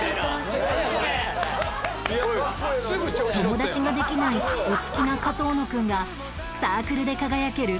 友達ができない内気な上遠野くんがサークルで輝ける